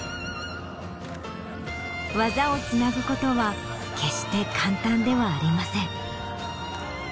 技をつなぐことは決して簡単ではありません。